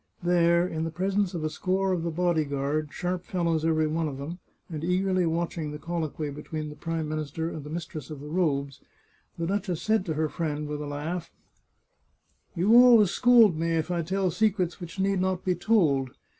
There, in the presence of a score of the body guard, sharp fellows every one of them, and eagerly watching the col loquy between the Prime Minister and the mistress of the robes, the duchess said to her friend, with a laugh :" You always scold me if I tell secrets which need not be told.